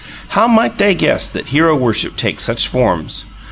How might they guess that hero worship takes such forms?